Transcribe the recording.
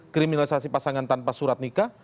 kriminalisasi pasangan tanpa surat nikah